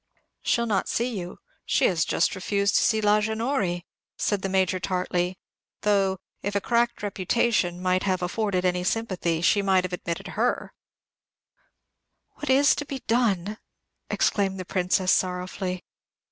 "She'll not see you. She has just refused to see La Genori," said the Major, tartly. "Though, if a cracked reputation might have afforded any sympathy, she might have admitted her." "What is to be done?" exclaimed the Princess, sorrowfully.